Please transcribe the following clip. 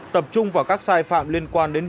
tập trung vào các sai phạm liên quan đến